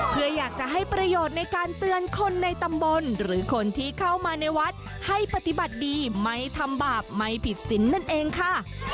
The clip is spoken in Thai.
เพื่ออยากจะให้ประโยชน์ในการเตือนคนในตำบลหรือคนที่เข้ามาในวัดให้ปฏิบัติดีไม่ทำบาปไม่ผิดสินนั่นเองค่ะ